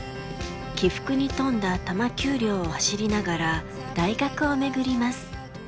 起伏に富んだ多摩丘陵を走りながら大学を巡ります。